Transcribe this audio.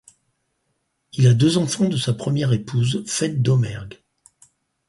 Il a deux enfants de sa première épouse Faith Domergue.